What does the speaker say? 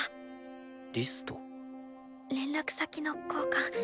連絡先の交換。